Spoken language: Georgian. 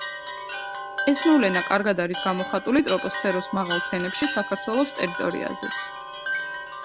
ეს მოვლენა კარგად არის გამოხატული ტროპოსფეროს მაღალ ფენებში საქართველოს ტერიტორიაზეც.